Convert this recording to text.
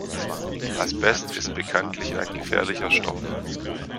Asbest ist bekanntlich ein gefährlicher Stoff.